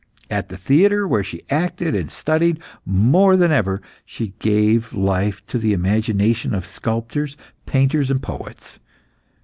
At the theatre, where she acted and studied more than ever, she gave life to the imagination of sculptors, painters, and poets.